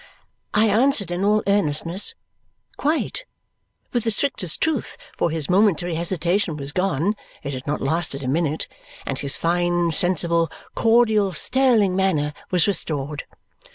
I answered in all earnestness, "Quite." With the strictest truth, for his momentary hesitation was gone (it had not lasted a minute), and his fine, sensible, cordial, sterling manner was restored.